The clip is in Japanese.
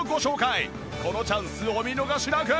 このチャンスお見逃しなく！